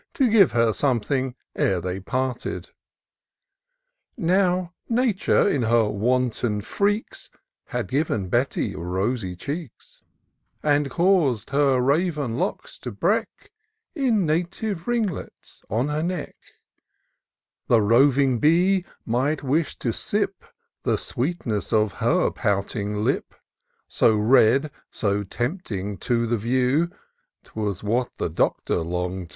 To give her something ere they parted. Nqw, Nature, in her wanton fireaks, Had given Betty rosy cheeks ; And caus'd her raven locks to break In native ringlets on her neck ; The roving bee might wish to sip The sweetness of her pouting lip ; So red, so tempting to the view, 'Twas what the Doctor long'd to do.